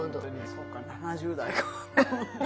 そうか７０代。